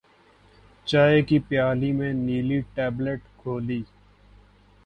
چائے کی پیالی میں نیلی ٹیبلٹ گھولی